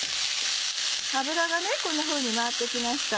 油がこんなふうに回って来ました。